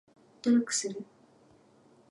努力する